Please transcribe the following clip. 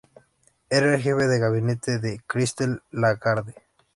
Era el jefe de gabinete de Christine Lagarde.